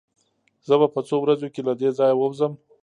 زه به په څو ورځو کې له دې ځايه ووځم.